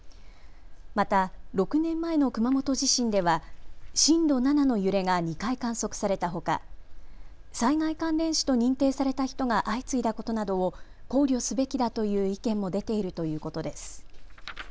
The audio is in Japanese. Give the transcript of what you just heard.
また、６年前の熊本地震では震度７の揺れが２回観測されたほか災害関連死と認定された人が相次いだことなどを考慮すべきだという意見も出ているということです。